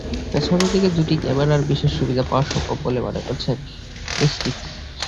পেছনের দিকে দুটি ক্যামেরার বিশেষ সুবিধা পাওয়া সম্ভব বলে মনে করছে এইচটিসি।